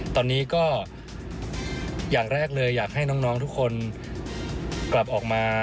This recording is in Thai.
ตอนนี้ก็อย่างแรกเลยอยากให้น้องทุกคนกลับออกมา